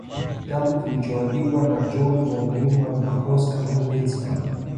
Kitabu kilichoandikwa na John von Neumann na Oskar Morgenstern